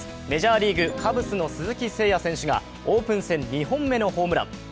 メジャーリーグ、カブスの鈴木誠也選手がオープン戦２本目のホームラン。